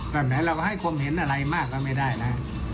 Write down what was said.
แม้เราก็ให้คนเห็นอะไรมากก็ไม่ได้นะ